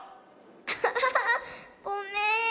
アハハごめん。